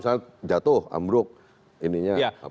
ada yang misalnya jatuh ambruk ininya apa namanya